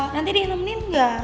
nanti dia nemenin ga